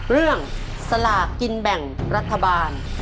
เรื่องสลากกินแบ่งรัฐบาล